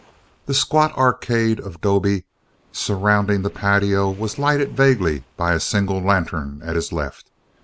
The squat arcade of 'dobe surrounding the patio was lighted vaguely by a single lantern at his left.